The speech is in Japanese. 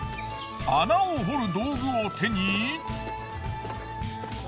穴を掘る道具を手に。